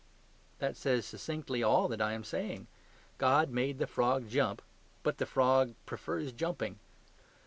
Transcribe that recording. That says succinctly all that I am saying. God made the frog jump; but the frog prefers jumping.